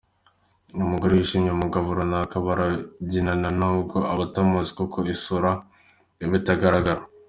Umugore wishimiye umugabo runaka barabyinana n’ubwo aba atamuzi kuko isura iba itagaragara.